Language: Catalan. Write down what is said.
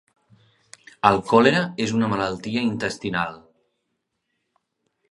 El còlera és una malaltia intestinal.